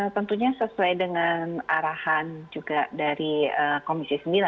tentunya sesuai dengan arahan juga dari komisi sembilan